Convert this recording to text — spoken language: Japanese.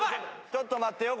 ちょっと待ってよ